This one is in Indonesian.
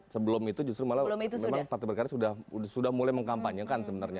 sebelum itu justru malah memang partai berkarya sudah mulai mengkampanyekan sebenarnya